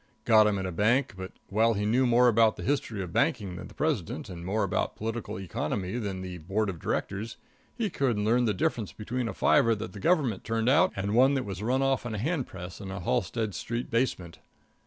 Got him in a bank, but while he knew more about the history of banking than the president, and more about political economy than the board of directors, he couldn't learn the difference between a fiver that the Government turned out and one that was run off on a hand press in a Halsted Street basement.